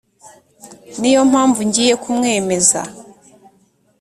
ni yo mpamvu ngiye kumwemeza